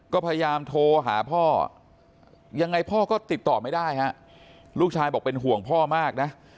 ก็พยายามโทรหาพ่อยังไงพ่อก็ติดต่อไม่ได้ฮะลูกชายบอกเป็นห่วงพ่อมากนะ